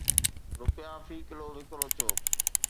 رپيا في ڪلو وڪرو ٿيو